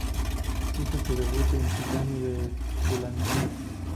Hizo su debut con Titanes de Tulancingo.